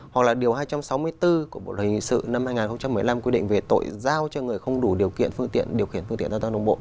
hoặc là điều hai trăm sáu mươi bốn của bộ luật hình sự năm hai nghìn một mươi năm quy định về tội giao cho người không đủ điều kiện phương tiện giao thông đồng bộ